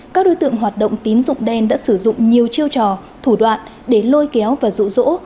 các đối tượng hoạt động tín dụng đen đã sử dụng nhiều chiêu trò thủ đoạn để lôi kéo và rụ rỗ